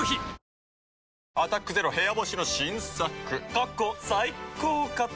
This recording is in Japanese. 過去最高かと。